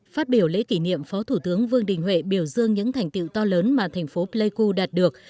phát biểu lễ kỷ niệm phó thủ tướng vương đình huệ biểu dương những thành tiệu to lớn mà thành phố pleiku đạt được